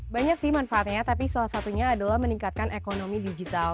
banyak sih manfaatnya tapi salah satunya adalah meningkatkan ekonomi digital